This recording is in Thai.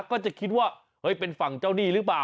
ก็จะคิดว่าเฮ้ยเป็นฝั่งเจ้าหนี้หรือเปล่า